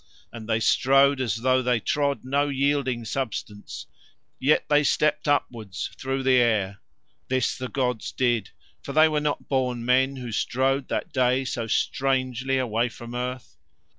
And they strode as though they trod no yielding substance, yet they stepped upwards through the air. This the gods did, for They were not born men who strode that day so strangely away from earth.